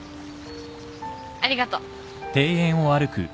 ありがとう。